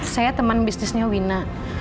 saya teman bisnisnya wina